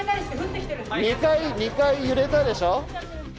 ２回揺れたでしょ？